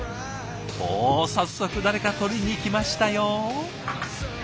お早速誰か取りに来ましたよ。